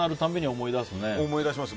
思い出しますよ